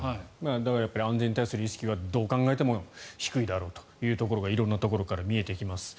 安全に対する意識がどう考えても低いだろうというところが色んなところから見えてきます。